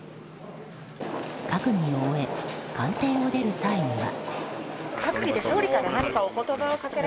閣議を終え、官邸を出る際には。